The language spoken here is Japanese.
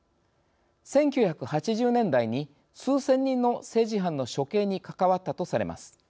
１９８０年代に数千人の政治犯の処刑に関わったとされます。